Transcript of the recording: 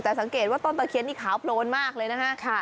สังเกตว่าต้นตะเคียนนี่ขาวโพลนมากเลยนะฮะ